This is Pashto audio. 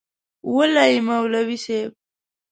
وله یی مولوی صیب